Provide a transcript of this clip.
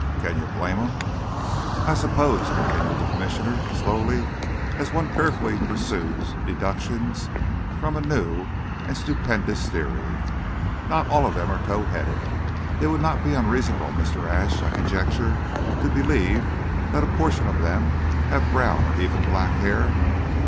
"Can you blame 'em?" "I suppose," continued the Commissioner, slowly, as one carefully pursues deductions from a new, stupendous theory, "not all of them are tow headed. It would not be unreasonable, Mr. Ashe, I conjecture, to believe that a portion of them have brown, or even black, hair."